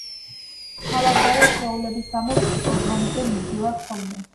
ქალაქგარეთ, ჩვეულებისამებრ ჰიპოდრომზე მივდივარ ხოლმე